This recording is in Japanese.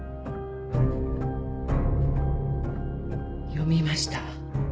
読みました。